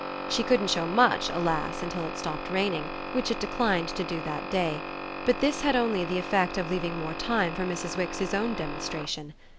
She couldn't show much, alas, till it stopped raining, which it declined to do that day; but this had only the effect of leaving more time for Mrs. Wix's own demonstration.